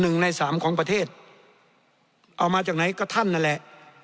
หนึ่งในสามของประเทศเอามาจากไหนก็ท่านนั่นแหละ